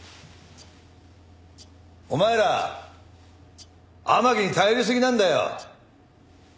お前ら天樹に頼りすぎなんだよ。